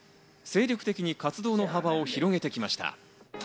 精力的に活動の幅を広げてきました。